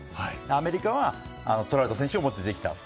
アメリカはトラウト選手が持って出てきた。